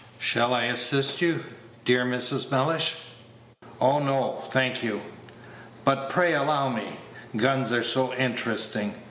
"Shall I assist you, dear Mrs. Mellish?" "Oh, no, thank you." "But pray allow me guns are so interesting.